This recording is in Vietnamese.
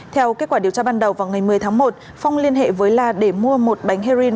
theo kết quả điều tra ban đầu vào ngày một mươi tháng một phong liên hệ với la để mua một bánh heroin